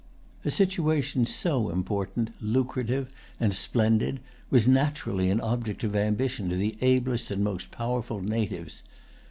A situation so important, lucrative, and splendid was naturally an object of ambition to the ablest and most powerful natives.